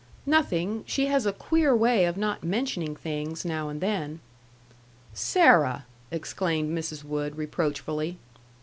"Nothing. She has a queer way of not mentioning things, now and then." "Sarah!" exclaimed Mrs. Wood, reproachfully.